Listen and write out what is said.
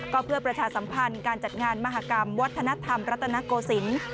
ก็เพื่อประชาสัมพันธ์การจัดงานมหากรรมวัฒนธรรมรัตนโกศิลป์